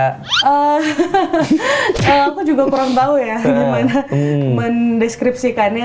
aku juga kurang tahu ya gimana mendeskripsikannya